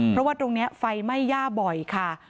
เพราะว่าตรงนี้ไฟไหม้ย่าบ่อยค่ะ